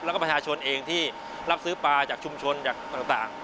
แล้วก็ประชาชนเองที่รับซื้อปลาจากชุมชนจากต่าง